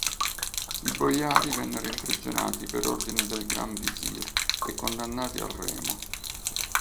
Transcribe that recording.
I boiari vennero imprigionati per ordine del Gran Vizir e condannati al remo.